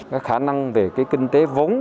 cái khả năng về kinh tế vốn